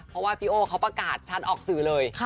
เพราะว่าพี่โอ้เขาประกาศชัดออกสื่อเลย